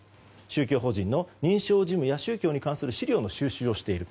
宗教法人の認証事務や宗教に関する資料の収集をしている。